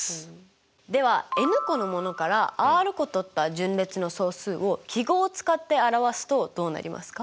ではｎ個のものからｒ個とった順列の総数を記号を使って表すとどうなりますか？